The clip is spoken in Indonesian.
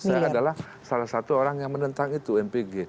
saya adalah salah satu orang yang menentang itu mpg